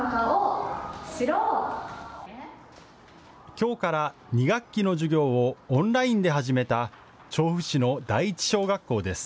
きょうから２学期の授業をオンラインで始めた調布市の第一小学校です。